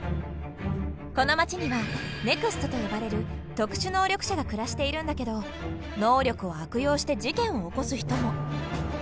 この街には「ＮＥＸＴ」と呼ばれる特殊能力者が暮らしているんだけど能力を悪用して事件を起こす人も。